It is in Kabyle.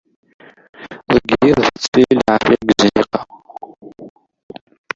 Deg yiḍ, tettili lɛafya deg uzniq-a.